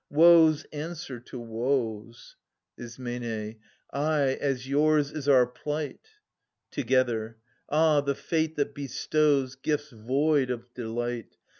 Woes answer to woes ! Is. Ay, as yours is our plight ! Ant. Is. Ah, the Fate that bestows Gifts void of delight